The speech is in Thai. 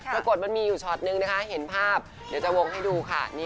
ละกดจะเห็นภาพเดี่ยวจะวงให้ดูค่ะ